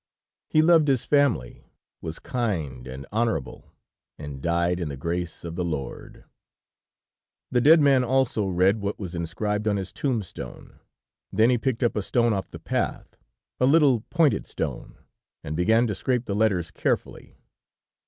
He loved his family, was kind and honorable, and died in the grace of the Lord._' "The dead man also read what was inscribed on his tombstone; then he picked up a stone off the path, a little, pointed stone, and began to scrape the letters carefully.